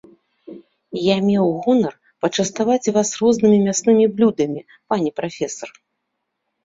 Я меў гонар пачаставаць вас рознымі мяснымі блюдамі, пане прафесар.